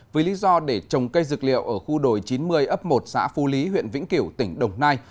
với lý do để trồng cây dược liệu ở khu đồi chín mươi ấp một xã phu lý huyện vĩnh kiểu tỉnh đồng nai